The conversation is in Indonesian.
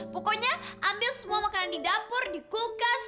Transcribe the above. pokoknya ambil semua makanan di dapur dikulkan